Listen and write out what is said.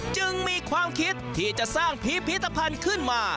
จึงมีความคิดที่จะสร้างพิพิธภัณฑ์ขึ้นมา